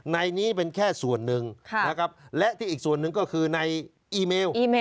ในนี้เป็นแค่ส่วนหนึ่งนะครับและที่อีกส่วนหนึ่งก็คือในอีเมล